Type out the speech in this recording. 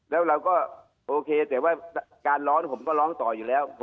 แล้วเราก็โอเคแต่ว่าการร้อนผมก็ร้องต่ออยู่แล้ว